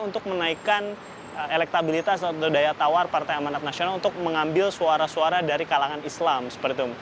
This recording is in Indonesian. untuk menaikkan elektabilitas atau daya tawar partai amanat nasional untuk mengambil suara suara dari kalangan islam seperti itu